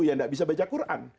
tidak bisa membaca quran